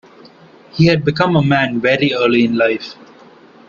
He had become a man very early in life.